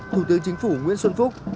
thủ tướng chính phủ nguyễn xuân phúc